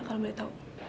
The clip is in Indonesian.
kalau boleh tau